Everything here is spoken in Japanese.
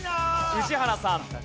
宇治原さん。